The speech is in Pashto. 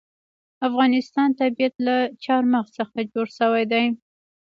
د افغانستان طبیعت له چار مغز څخه جوړ شوی دی.